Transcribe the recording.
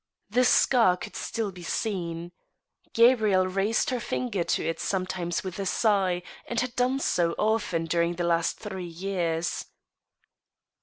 The scar could still be seen. Ga brielle raised her finger to it sometimes with a sigh, and had done so often during the last three years.